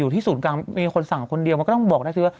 ที่ศูนย์กลางมีคนสั่งคนเดียวมันก็ต้องบอกได้สิว่า